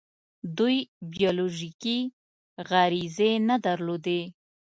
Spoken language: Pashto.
دوی بیولوژیکي غریزې نه درلودې.